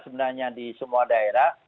sebenarnya di semua daerah